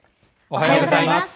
おはようございます。